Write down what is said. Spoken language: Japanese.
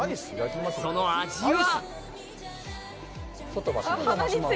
その味は？